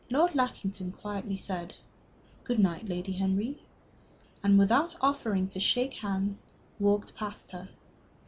Lord Lackington quietly said, "Good night, Lady Henry," and, without offering to shake hands, walked past her.